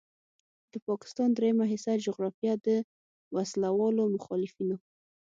د پاکستان دریمه حصه جغرافیه د وسلوالو مخالفینو